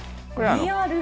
リアル。